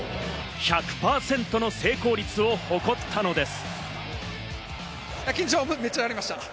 １００％の成功率を誇ったのです。